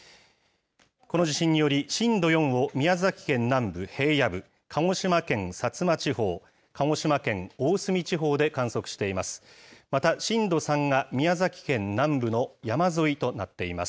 この地震により、震度４を宮崎県南部平野部、鹿児島県薩摩地方、鹿児島県大隅地方で観測しています。